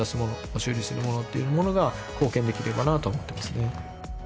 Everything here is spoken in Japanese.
修理するものっていうものが貢献できればなと思ってますね